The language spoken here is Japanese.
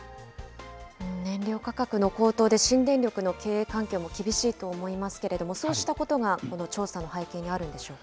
燃料価格の高騰で新電力の経営環境も厳しいと思いますけれども、そうしたことがこの調査の背景にあるんでしょうか。